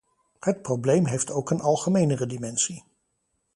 Het probleem heeft ook een algemenere dimensie.